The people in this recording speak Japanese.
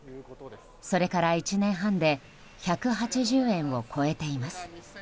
それから１年半で１８０円を超えています。